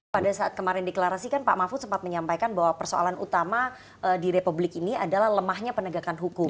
pada saat kemarin deklarasi kan pak mahfud sempat menyampaikan bahwa persoalan utama di republik ini adalah lemahnya penegakan hukum